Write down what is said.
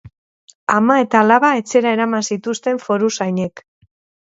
Ama eta alaba etxera eraman zituzten foruzainek.